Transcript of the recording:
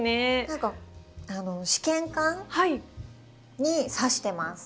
何か試験管に挿してます。